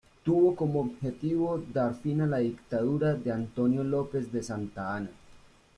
Tuvo como objetivo dar fin a la dictadura de Antonio López de Santa Anna.